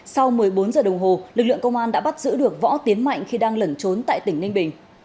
sau một mươi bốn giờ đồng hồ lực lượng công an đã bắt giữ được võ tiến mạnh khi đang lẩn trốn tại tỉnh ninh bình